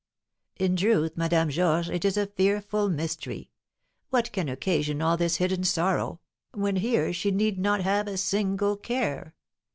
"In truth, Madame Georges, it is a fearful mystery; what can occasion all this hidden sorrow, when here she need not have a single care?